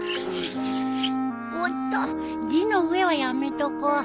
おっと字の上はやめとこう。